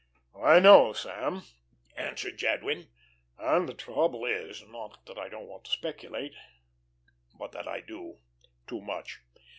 "I know, Sam," answered Jadwin, "and the trouble is, not that I don't want to speculate, but that I do too much.